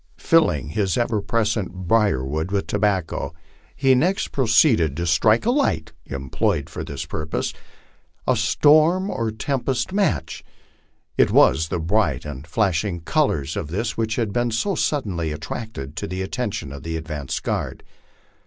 Filling his ever present brierwood with tobacco, he next proceeded to strike a light, employing for this purpose a storm or tempest match ; it was the bright and flashing colors of this which had so suddenly at tracted the attention of the advance guard.